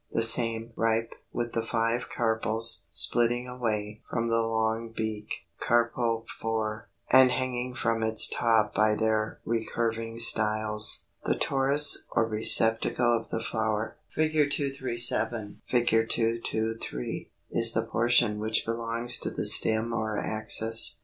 The same, ripe, with the five carpels splitting away from the long beak (carpophore), and hanging from its top by their recurving styles.] 323. =The Torus= or Receptacle of the flower (237, Fig. 223) is the portion which belongs to the stem or axis.